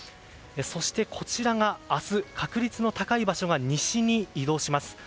そして、明日、確率の高い場所が西に移動します。